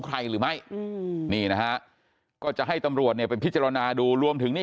หรือไม่นี่นะฮะก็จะให้ตำรวจเนี่ยไปพิจารณาดูรวมถึงนี่